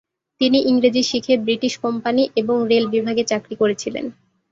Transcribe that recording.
তিনি ইংরাজি শিখে ব্রিটিশ কোম্পানি এবং রেল বিভাগে চাকরি করেছিলেন।